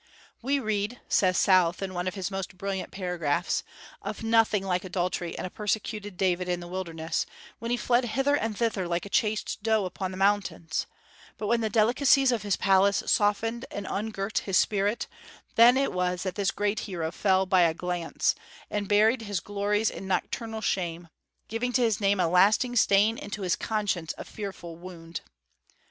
"We read," says South in one of his most brilliant paragraphs, "of nothing like adultery in a persecuted David in the wilderness, when he fled hither and thither like a chased doe upon the mountains; but when the delicacies of his palace softened and ungirt his spirit, then it was that this great hero fell by a glance, and buried his glories in nocturnal shame, giving to his name a lasting stain, and to his conscience a fearful wound."